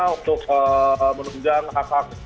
untuk menunjang hak hak